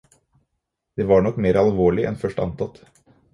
Det var nok mer alvorlig enn først antatt.